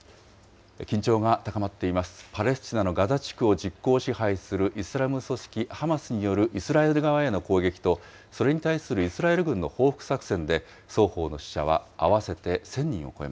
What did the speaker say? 緊張が高まっていますパレスチナのガザ地区を実効支配するイスラム組織ハマスによるイスラエル側による攻撃と、それに対するイスラエル軍の報復作戦で、双方の死者は合わせて１０００人を超え